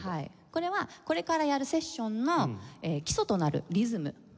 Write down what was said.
これはこれからやるセッションの基礎となるリズムを表します。